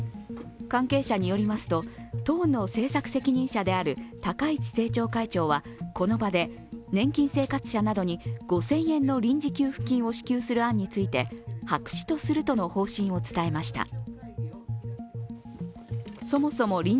関係者によりますと、党の政策責任者である高市政調会長はこの場で、年金生活者などに５０００円の臨時給付金を支給する案について白紙とするとの方針を伝えました。